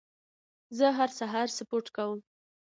زه هر سهار سپورت کوم.